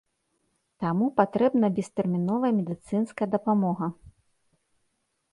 Таму патрэбна без тэрміновая медыцынская дапамога.